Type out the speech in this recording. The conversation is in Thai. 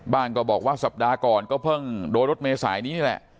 ก็บอกว่าสัปดาห์ก่อนก็เพิ่งโดนรถเมษายนี้นี่แหละ